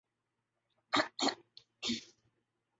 Libya میں انتشار پیدا کیا جاتا ہے۔